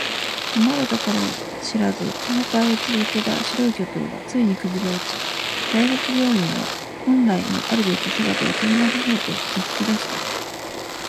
止まるところを知らず崩壊を続けた白い巨塔はついに崩れ落ち、大学病院は本来のあるべき姿を取り戻そうと動き出した。